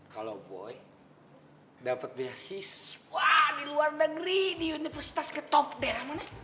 kalo boy dapet beasiswa di luar negeri di universitas ke top deram mana